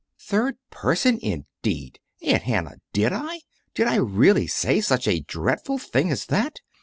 "Third person, indeed! Aunt Hannah, did I? Did I really say such a dreadful thing as that?